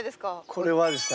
これはですね